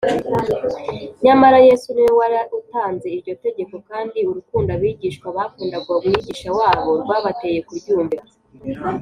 nyamara yesu niwe wari utanze iryo tegeko, kandi urukundo abigishwa bakundaga umwigisha wabo rwabateye kuryumvira